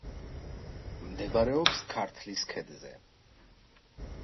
მდებარეობს ქართლის ქედზე.